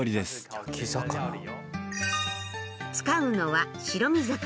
使うのは白身魚。